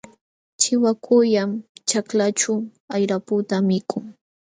Chiwakullam ćhaklaaćhu ayraputa mikun.